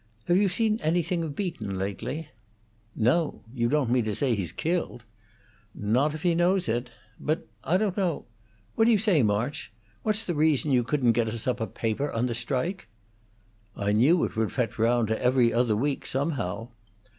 Have you seen anything of Beaton lately?" "No. You don't mean to say he's killed!" "Not if he knows it. But I don't know What do you say, March? What's the reason you couldn't get us up a paper on the strike?" "I knew it would fetch round to 'Every Other Week,' somehow."